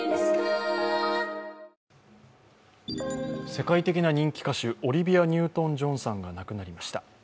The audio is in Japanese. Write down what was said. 世界的な人気歌手、オリビア・ニュートン＝ジョンさんが亡くなりました。